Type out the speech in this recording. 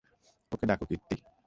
ওকে ডাক, কীর্তি!